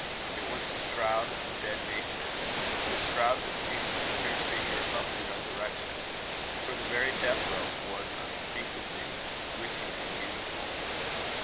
It was the shroud of dead nature; but a shroud that seemed to prefigure a lovely resurrection; for the very death robe was unspeakably, witchingly beautiful.